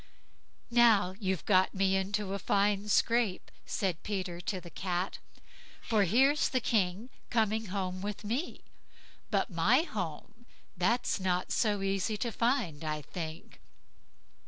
"Now, you've got me into a fine scrape", said Peter to the Cat, "for here's the King coming home with me; but my home, that's not so easy to find, I think."